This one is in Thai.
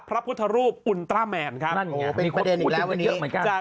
พระพุทธรูปอุลตราแมนครับโอ้เป็นประเด็นอีกแล้ววันนี้จาก